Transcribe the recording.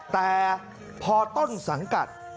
แต่พอต้นสังกัด